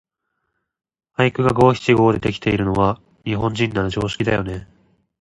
俳句が五七五でできているのは、日本人なら常識だよね。